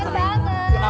ya supaya ada